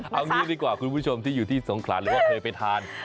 เอางี้ดีกว่าคุณผู้ชมที่อยู่ที่สงขลาหรือว่าเคยไปทาน